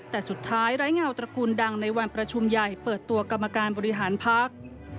แต่สุดท้ายไร้เงาตระกูลดังในวันประชุมใหญ่เปิดตัวกรรมการบริหารพัก